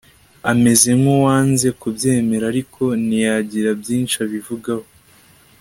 ameze nkuwanze kubyemera ariko ntiyagira byinshi abivugaho